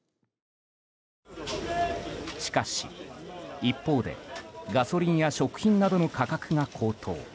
しかし、一方でガソリンや食品などの価格が高騰。